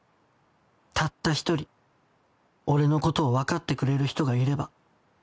たった１人俺のことを分かってくれる人がいれば。